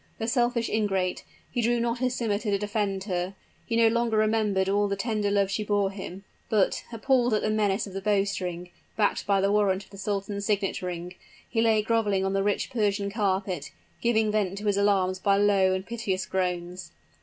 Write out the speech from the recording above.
The selfish ingrate! he drew not his scimiter to defend her he no longer remembered all the tender love she bore him but, appalled by the menace of the bowstring, backed by the warrant of the sultan's signet ring, he lay groveling on the rich Persian carpet, giving vent to his alarms by low and piteous groans.